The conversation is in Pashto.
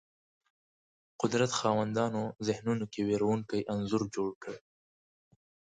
قدرت خاوندانو ذهنونو کې وېرونکی انځور جوړ کړ